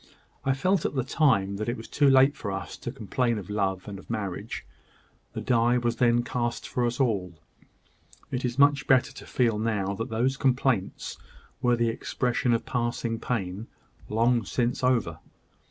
I felt at the time that it was too late for us to complain of love and of marriage. The die was then cast for us all. It is much better to feel now that those complaints were the expression of passing pain, long since over."